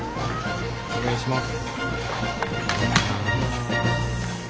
お願いします。